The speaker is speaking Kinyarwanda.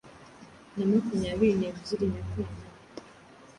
na makumyabiri nebyiri Nyakanga